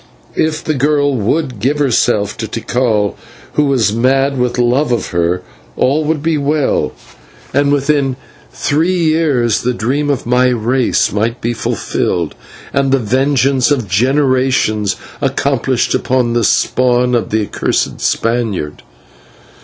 If the girl would give herself to Tikal, who was mad with love of her, all would be well, and within three years the dream of my race might be fulfilled, and the vengeance of generations accomplished upon the spawn of the accursed Spaniard.